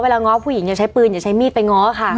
ง้อผู้หญิงอย่าใช้ปืนอย่าใช้มีดไปง้อค่ะ